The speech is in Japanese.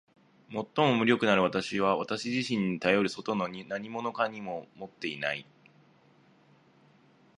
最も無力なる私は私自身にたよる外の何物をも持っていない。